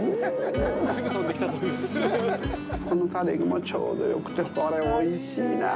このタレもちょうどよくて、これ、おいしいなぁ。